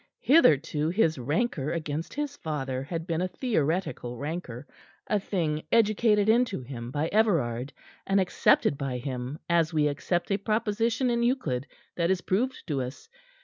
Hitherto his rancor against his father had been a theoretical rancor, a thing educated into him by Everard, and accepted by him as we accept a proposition in Euclid that is proved to us.